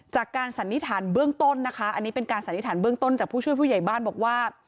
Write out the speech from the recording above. สันนิษฐานเบื้องต้นนะคะอันนี้เป็นการสันนิษฐานเบื้องต้นจากผู้ช่วยผู้ใหญ่บ้านบอกว่า